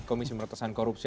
komisi pemberantasan korupsi